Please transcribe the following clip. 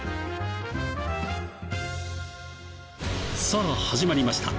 さあ始まりました。